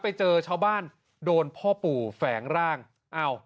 ไปเจอชาวบ้านโดนพ่อปู่แฝงร่างอ้าว